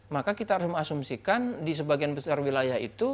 maka kita harus mengasumsikan di sebagian besar wilayah itu